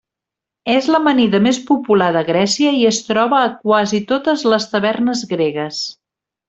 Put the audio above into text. És l'amanida més popular de Grècia i es troba a quasi totes les tavernes gregues.